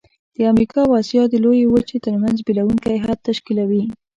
د امریکا او آسیا د لویې وچې ترمنځ بیلوونکی حد تشکیلوي.